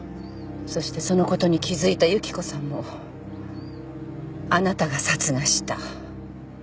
そしてそのことに気付いた雪子さんもあなたが殺害した。